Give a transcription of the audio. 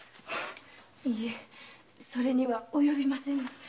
いえそれにはおよびませぬ。